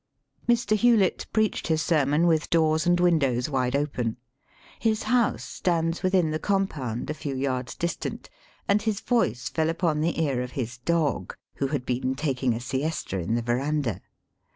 Mr. Hewlett preached his sermon with doors and windows wide open. His house stands within the compound, a few yards distant, and his voice fell upon the ear of his dog, who had been taking a siesta in the verandah.